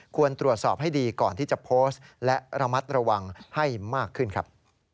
ควรตรวจสอบให้ดีก่อนที่จะโพสต์และระมัดระวังให้มากขึ้นครับ